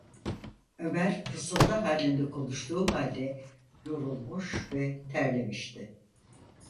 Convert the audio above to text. Ömer fısıltı halinde konuştuğu halde yorulmuş ve terlemişti.